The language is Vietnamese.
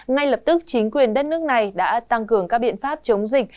ngay lập tức chính quyền đất nước này đã tăng cường các biện pháp chống dịch